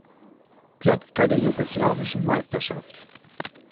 Platz bei der Jugoslawischen Meisterschaft.